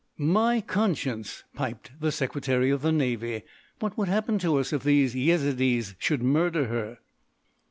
"My conscience!" piped the Secretary of the Navy. "What would happen to us if these Yezidees should murder her?"